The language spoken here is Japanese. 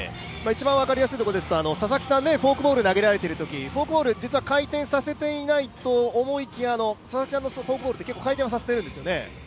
一番分かりやすいところですと、フォークボール投げられているときフォークボール、実は回転させていないと思いきや佐々木さんのフォークボールって回転させてるんですよね？